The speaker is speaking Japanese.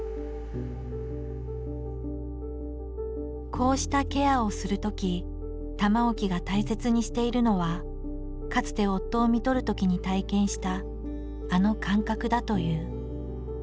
こうしたケアをするとき玉置が大切しているのはかつて夫をみとるときに体験したあの感覚だという。